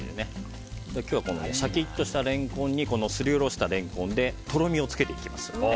今日はシャキッとしたレンコンにすりおろしたレンコンでとろみをつけていきます。